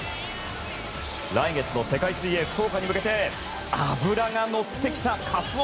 来月の世界水泳福岡に向けて脂がのってきたカツオ！